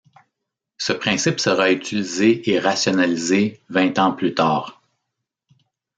Ce principe sera utilisé et rationalisé vingt ans plus tard.